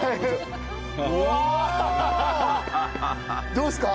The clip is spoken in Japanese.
どうですか？